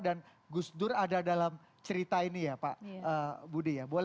dan gus dur ada dalam cerita ini ya pak budi ya